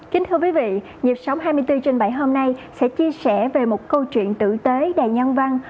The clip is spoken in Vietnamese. kính thưa quý vị nhịp sống hai mươi bốn trên bảy hôm nay sẽ chia sẻ về một câu chuyện tử tế đầy nhân văn